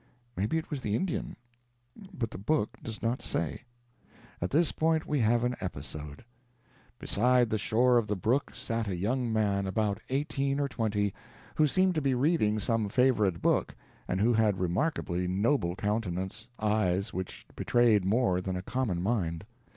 Maybe it was the Indian; but the book does not say. At this point we have an episode: Beside the shore of the brook sat a young man, about eighteen or twenty, who seemed to be reading some favorite book, and who had a remarkably noble countenance eyes which betrayed more than a common mind.